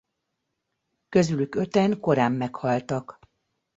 Közülük öten korán meghaltak.